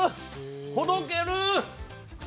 ほどける！